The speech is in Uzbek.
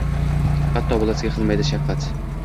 Hatto bolasiga qilmaydi shafqat.